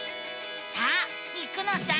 さあ行くのさ！